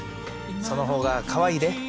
その方がかわいいで！